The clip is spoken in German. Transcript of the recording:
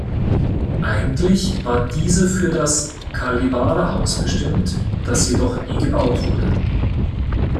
Eigentlich war diese für das Kalevala-Haus bestimmt, das jedoch nie gebaut wurde.